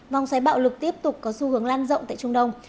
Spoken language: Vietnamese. vòng xoáy bạo lực tiếp tục có xu hướng lan rộng tại trung đông